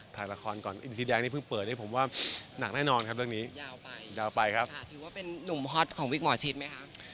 ถือว่าเป็นนุ่มฮอตของวิกหมอชิดไหมครับ